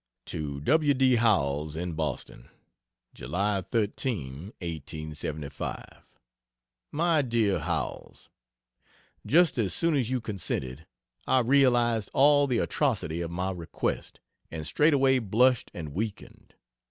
To W. D. Howells, in Boston: July 13, 1875 MY DEAR HOWELLS, Just as soon as you consented I realized all the atrocity of my request, and straightway blushed and weakened.